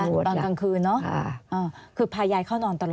อันดับ๖๓๕จัดใช้วิจิตร